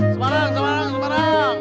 semarang semarang semarang